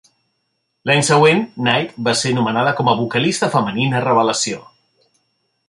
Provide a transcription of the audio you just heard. L'any següent, Knight va ser nomenada com a vocalista femenina revelació.